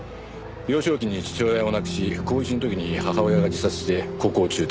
幼少期に父親を亡くし高１の時に母親が自殺して高校を中退。